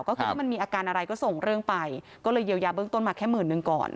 ก็คือถ้ามันมีอาการอะไรก็ส่งเรื่องไปก็เลยเยียวยาเบื้องต้นมาแค่หมื่นหนึ่งก่อน